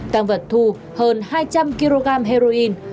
tăng vật thu hơn hai trăm linh kg heroin